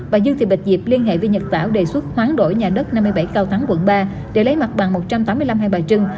bà dương thị bạch diệp liên hệ với nhật tảo đề xuất hoán đổi nhà đất năm mươi bảy cao thắng quận ba để lấy mặt bằng một trăm tám mươi năm hai bà trưng